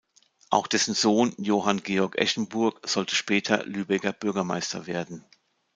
Auch dessen Sohn, Johann Georg Eschenburg, sollte später Lübecker Bürgermeister werden.